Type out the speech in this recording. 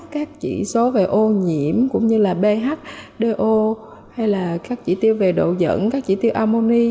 các chỉ số về ô nhiễm cũng như là ph do hay là các chỉ tiêu về độ dẫn các chỉ tiêu ammoni